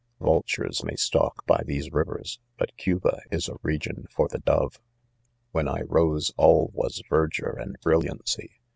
Vultures .may stalk hy these rivers, but Cuba is a region for the dove; ( l5 ) 4 When I rose all Was verdure and brilliancy.